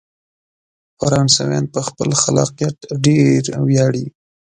فرانسویان په خپل خلاقیت ډیر ویاړي.